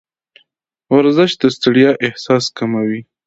ورزش د ستړیا احساس کموي.